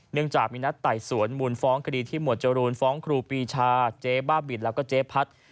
เนื่องจากมีนัดไต่สวนมูลฟ้องคดีที่หมวดจรูนฟ้องครูปีชาเจ๊บ้าบินแล้วก็เจ๊พัด